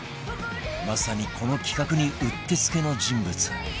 まさにこの企画にうってつけの人物